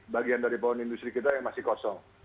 bagian dari pohon industri kita yang masih kosong